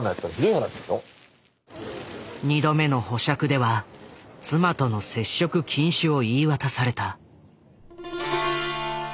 ２度目の保釈では妻との接触禁止を言い渡された。